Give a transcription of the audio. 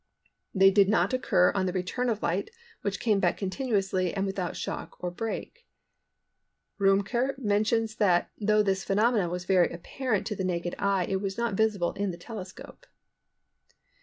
This did not occur on the return of light, which came back continuously and without shock or break." Rümker mentions that though this phenomenon was very apparent to the naked eye it was not visible in the telescope.